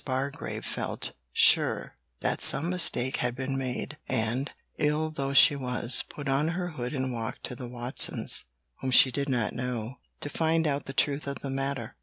Bargrave felt sure that some mistake had been made, and, ill though she was, put on her hood and walked to the Watsons' (whom she did not know) to find out the truth of the matter.